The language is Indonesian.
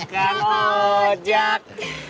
eh kan ojak